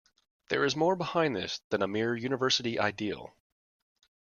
There is more behind this than a mere university ideal.